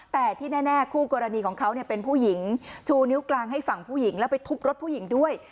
แต่ที่แน่คู่กรณีของเขาเป็นผู้หญิงชูนิ้วกลางให้ฝั่งผู้หญิงแล้วไปทุบรถผู้หญิงด้วย